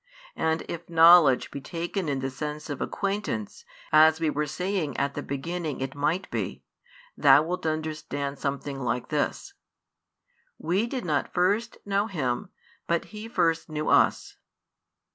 And if knowledge be taken in the sense of acquaintance, as we were saying at the beginning it might be, thou wilt understand something like this: "We did not first know Him, but He first knew us."